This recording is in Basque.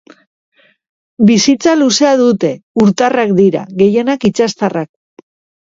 Bizitza luzea dute, urtarrak dira, gehienak itsastarrak.